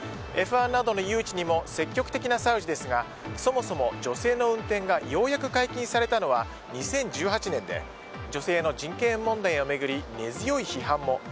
Ｆ１などの誘致にも積極的なサウジですがそもそも女性の運転がようやく解禁されたのは２０１８年で女性の人権問題を巡り根強い批判も。